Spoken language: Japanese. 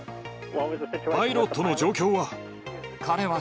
パイロットの状況は？